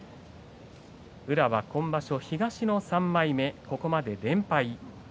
宇良は今場所、東の３枚目ここまで連敗。